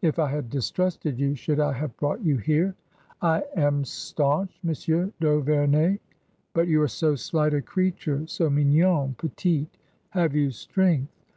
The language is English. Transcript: If I had distrusted you, should I haV' ^,e brought you here ?" I am staunch. Monsieur d'Auverney." But you are so slight a creature — so mignon — petii Have you strength